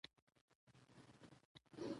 هلمند سیند د افغانانو د معیشت یوه سرچینه ده.